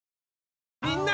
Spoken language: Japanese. みんな！